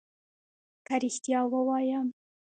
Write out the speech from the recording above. که ريښتيا ووايم